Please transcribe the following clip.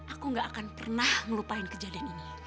aku gak akan pernah ngelupain kejadian ini